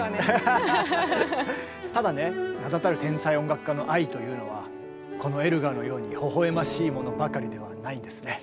ただね名だたる天才音楽家の愛というのはこのエルガーのようにほほ笑ましいものばかりではないんですね。